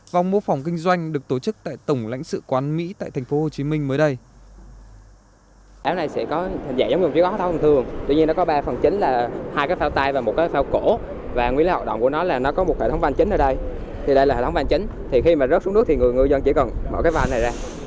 vòng mô phòng kinh doanh được tổ chức tại tổng lãnh sự quán mỹ tại tp hcm mới đây